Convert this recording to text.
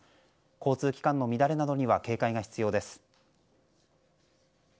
交通機関の乱れなどには警戒が必要です。